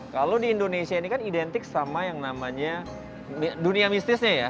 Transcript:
kalau di indonesia ini kan identik sama yang namanya dunia mistisnya ya